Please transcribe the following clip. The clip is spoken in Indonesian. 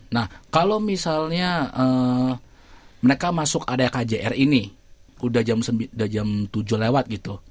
nah kalau misalnya mereka masuk ada kjr ini udah jam tujuh lewat gitu